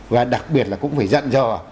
và đặc biệt là cũng phải dặn dò